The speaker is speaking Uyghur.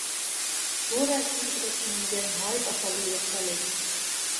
بۇ رەسىمدىكىدەك ئۈنۈمگە ناھايىتى ئاسانلا ئېرىشەلەيسىز.